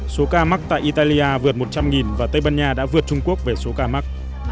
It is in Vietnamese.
số ca mắc tại italia vượt một trăm linh và tây ban nha đã vượt trung quốc về số ca mắc